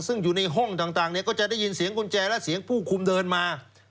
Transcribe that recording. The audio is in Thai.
ซึ่งอยู่ในห้องต่างก็จะได้ยินเสียงกุญแจและเสียงผู้คุมเดินมา